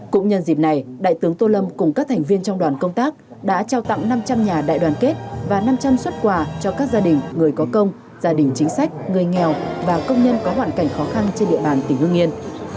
cũng nhân dịp này đại tướng tô lâm cùng các thành viên trong đoàn công tác đã trao tặng năm trăm linh nhà đại đoàn kết và năm trăm linh xuất quà cho các gia đình người có công gia đình chính sách người nghèo và công nhân có hoàn cảnh khó khăn trên địa bàn tỉnh hương yên